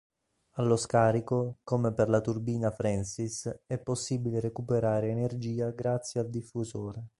Allo scarico, come per la turbina Francis, è possibile recuperare energia grazie al diffusore.